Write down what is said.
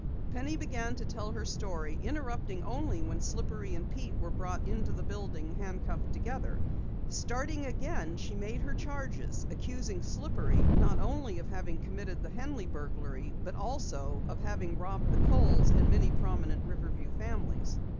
Penny began to tell her story, interrupting only when Slippery and Pete were brought into the building handcuffed together. Starting again, she made her charges, accusing Slippery not only of having committed the Henley burglary, but also of having robbed the Kohls and many prominent Riverview families.